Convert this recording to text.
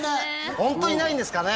ホントにないんですかね？